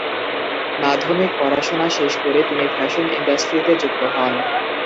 মাধ্যমিক পড়াশোনা শেষ করে তিনি ফ্যাশন ইন্ডাস্ট্রিতে যুক্ত হন।